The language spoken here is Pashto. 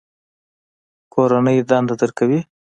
کورنۍ دنده درکوي؟